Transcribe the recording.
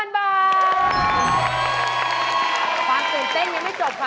ความตื่นเต้นยังไม่จบค่ะ